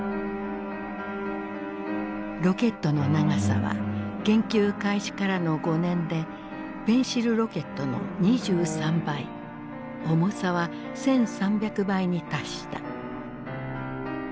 ロケットの長さは研究開始からの５年でペンシルロケットの２３倍重さは１，３００倍に達した。